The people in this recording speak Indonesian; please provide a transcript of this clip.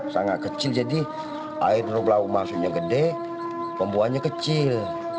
sangat kecil jadi air laut masuknya gede pembuangnya kecil